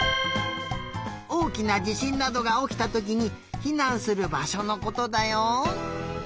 おおきなじしんなどがおきたときにひなんするばしょのことだよ。